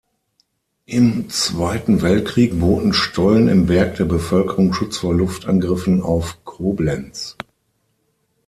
Im Zweiten Weltkrieg boten Stollen im Berg der Bevölkerung Schutz vor Luftangriffen auf Koblenz.